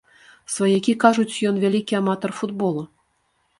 Сваякі кажуць, ён вялікі аматар футбола.